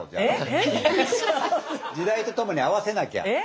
時代とともに合わせなきゃ。